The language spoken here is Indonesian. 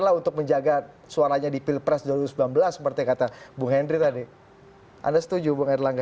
lah untuk menjaga suaranya di pilpres dua ribu sembilan belas seperti kata bung hendry tadi anda setuju bung erlangga